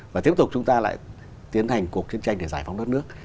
và tiếp tục chúng ta lại tiến hành cuộc chiến tranh để giải phóng đất nước